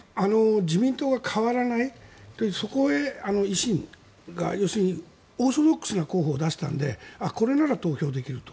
自民党が変わらないそこへ維新が要するに、オーソドックスな候補を出したのでこれなら投票できると。